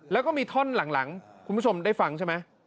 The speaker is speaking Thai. แล้วก็มีท่อนหลังคุณผู้ชมได้ฟังใช่ไหม